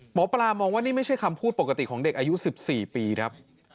หมอปลามองว่านี่ไม่ใช่คำพูดปกติของเด็กอายุ๑๔ปีครับ